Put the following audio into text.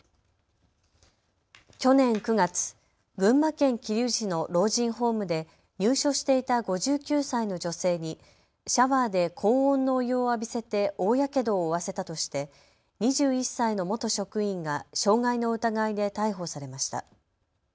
去年９月、群馬県桐生市の老人ホームで入所していた５９歳の女性にシャワーで高温のお湯を浴びせて大やけどを負わせたとして２１歳の元職員が傷害の疑いで逮捕されました。